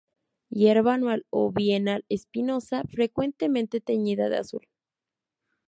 Hierba anual o bienal espinosa, frecuentemente teñida de azul.